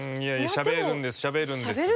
しゃべるんです！